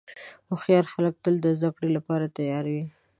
هوښیار خلک تل د زدهکړې لپاره تیار وي.